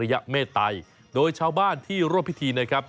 ยะเมตัยโดยชาวบ้านที่ร่วมพิธีนะครับ